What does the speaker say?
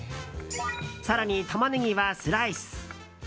更にタマネギはスライス。